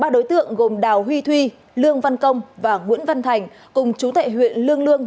ba đối tượng gồm đào huy thuy lương văn công và nguyễn văn thành cùng chú tại huyện lương lương